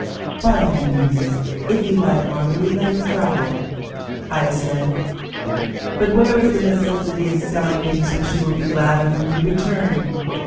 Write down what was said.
"By all means, if you like, Marguerite, let us travel," I said. "But where is the necessity of selling things which you will be glad of when we return?